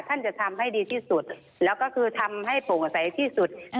จะทำให้ดีที่สุดแล้วก็คือทำให้โปร่งใสที่สุด